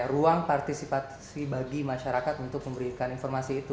ruang partisipasi bagi masyarakat untuk memberikan informasi itu